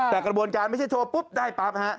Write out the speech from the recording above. แต่กระบวนการไม่ใช่โชว์ปุ๊บได้ปั๊บฮะ